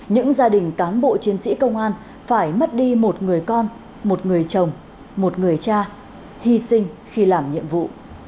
những gia đình cán bộ chiến sĩ công an phải mất đi một người con một người chồng một người cha hy sinh khi làm nhiệm vụ